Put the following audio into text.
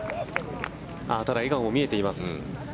ただ笑顔も見えています。